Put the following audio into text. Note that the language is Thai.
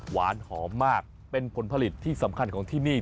หวานหอมมากเป็นผลผลิตที่สำคัญของที่นี่